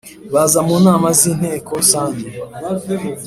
Baza mu nama z Inteko rusange